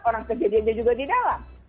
orang kejadiannya juga di dalam